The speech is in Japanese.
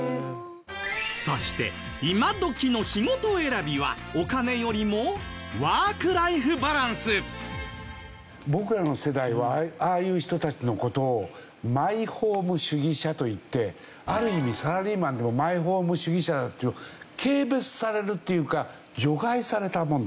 そして今どきの仕事選びは僕らの世代はああいう人たちの事を「マイホーム主義者」といってある意味サラリーマンでもマイホーム主義者だと軽蔑されるというか除外されたものです。